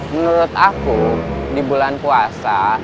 menurut aku di bulan puasa